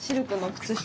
靴下。